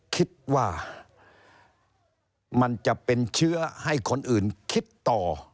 คิดว่ามันจะเป็นเชื้อให้คนอื่นคิดต่อ